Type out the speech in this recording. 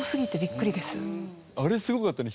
あれすごかったね。